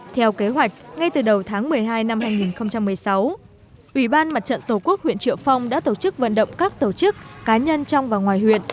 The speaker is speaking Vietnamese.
theo kế hoạch ngay từ đầu tháng một mươi hai năm hai nghìn một mươi sáu ủy ban mặt trận tổ quốc huyện triệu phong đã tổ chức vận động các tổ chức cá nhân trong và ngoài huyện